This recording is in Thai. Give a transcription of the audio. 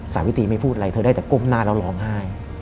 สาวิตรีไม่พูดอะไรเธอได้แต่ก้มหน้าแล้วร้องไห้